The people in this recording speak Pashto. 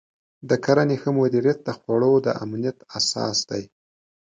د کرنې ښه مدیریت د خوړو د امنیت اساس دی.